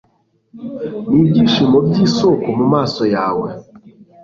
n'ibyishimo by'isoko mumaso yawe